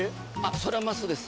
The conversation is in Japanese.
それはマスです。